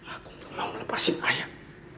aku mau lepasin ayak